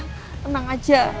udah enang aja